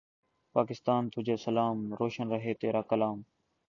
پاکستان تجھے سلام۔ روشن رہے تیرا کلام